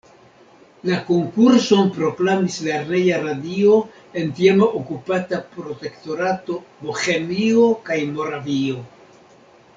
La konkurson proklamis Lerneja radio en tiama okupata Protektorato Bohemio kaj Moravio.